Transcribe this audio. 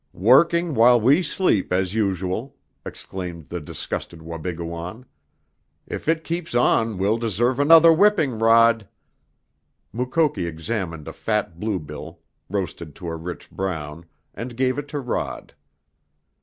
"Working while we sleep, as usual," exclaimed the disgusted Wabigoon. "If it keeps on we'll deserve another whipping, Rod!" Mukoki examined a fat bluebill, roasted to a rich brown, and gave it to Rod.